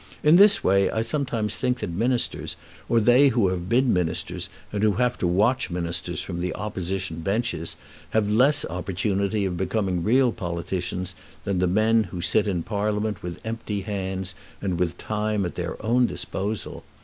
In this way I sometimes think that ministers, or they who have been ministers and who have to watch ministers from the opposition benches, have less opportunity of becoming real politicians than the men who sit in Parliament with empty hands and with time at their own disposal.